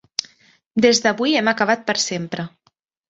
Des d'avui hem acabat per sempre.